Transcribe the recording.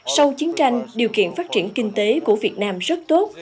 sau chiến tranh điều kiện phát triển kinh tế của việt nam rất tốt